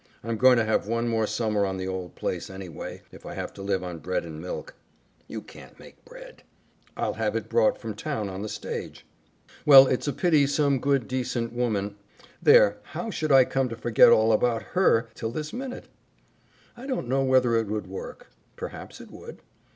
I'm going to have one more summer on the old place, anyway, if I have to live on bread and milk." "You can't make bread." "I'll have it brought from town on the stage." "Well, it's a pity some good, decent woman There, how should I come to forget all about HER till this minute? I don't know whether it would work. Perhaps it would.